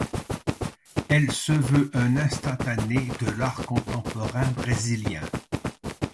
Elle se veut un instantané de l'art contemporain brésilien.